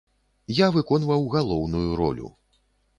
Я выконваў галоўную ролю.